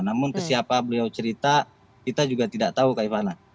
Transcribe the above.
namun ke siapa beliau cerita kita juga tidak tahu kak ivana